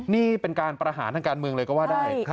นี่เป็นการประหารทางการเมืองเลยก็ว่าได้